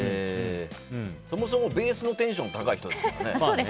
そもそもベースのテンション高い人ですからね。